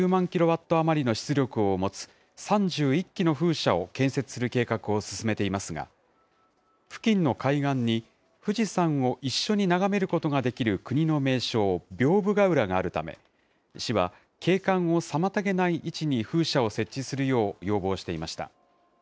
キロワット余りの出力を持つ３１基の風車を建設する計画を進めていますが、付近の海岸に富士山を一緒に眺めることができる国の名勝、屏風ヶ浦があるため、市は景観を妨げない位置に風車を設置するよう要望していました。